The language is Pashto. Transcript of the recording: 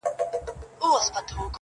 دا غزل مي رندانه او صوفیانه دی-